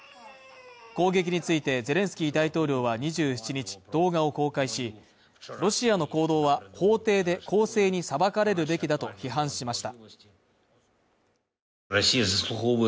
攻撃についてゼレンスキー大統領は２７日、動画を公開し、ロシアの行動は法廷で公正に裁かれるべきだと批判しました。